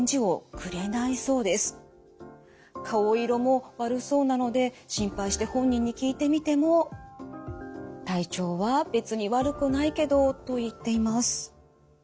顔色も悪そうなので心配して本人に聞いてみても「体調は別に悪くないけど」と言っています。